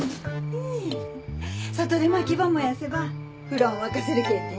外でまきば燃やせば風呂ん沸かせるけんね。